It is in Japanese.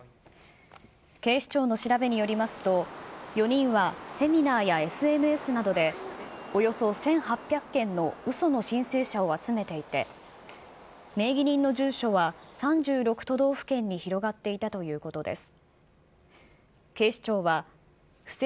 警視庁の調べによりますと、４人はセミナーやＳＮＳなどで、およそ１８００件のうその申請者を集めていて、名義人の住所は３６都道府県に広がっていたということです。